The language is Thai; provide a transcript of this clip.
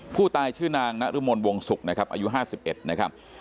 ผู้ตายชื่อนางนรมลวงศุกร์นะครับอายุห้าสิบเอ็ดนะครับ